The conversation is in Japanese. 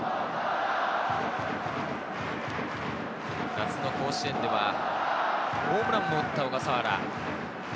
夏の甲子園ではホームランも打った小笠原。